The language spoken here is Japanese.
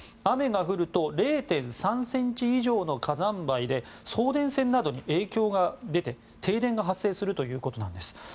雨が降ると０．３ｃｍ以上の火山灰で送電線などに影響が出て停電が発生するということです。